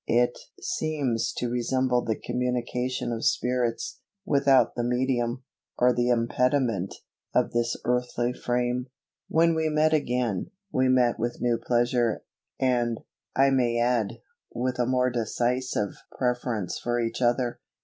It seems to resemble the communication of spirits, without the medium, or the impediment, of this earthly frame. When we met again, we met with new pleasure, and, I may add, with a more decisive preference for each other.